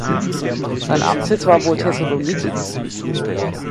Sein Amtssitz war wohl Thessaloniki.